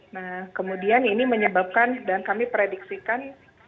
nah kemudian ini menyebabkan dan kami prediksikan